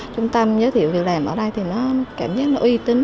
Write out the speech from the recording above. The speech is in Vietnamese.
trung tâm dịch vụ việc làm ở đây thì nó cảm giác uy tín